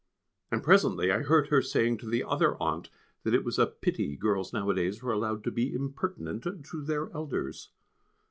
And presently I heard her saying to the other aunt that it was a pity girls nowadays were allowed to be impertinent to their elders.